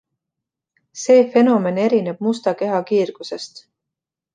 See fenomen erineb musta keha kiirgusest.